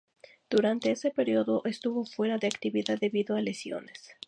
Durante ese período estuvo fuera de actividad debido a lesiones.